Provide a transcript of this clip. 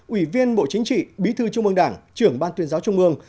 ủy viên bộ chính trị bí thư trung mương đảng trưởng ban tuyên giáo trung mương